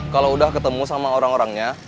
kalau udah ketemu sama orang orangnya